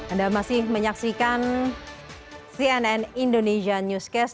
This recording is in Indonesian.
anda masih menyaksikan cnn indonesia newscast